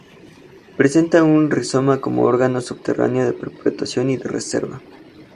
Presentan un rizoma como órgano subterráneo de perpetuación y de reserva.